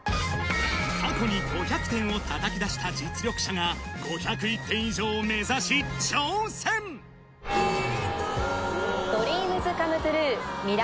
過去に５００点をたたき出した実力者が５０１点以上を目指し、ＤＲＥＡＭＳＣＯＭＥＴ